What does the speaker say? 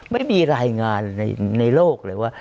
ไม่มีรายงานในโลกเลยว่า